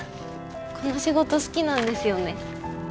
この仕事好きなんですよね。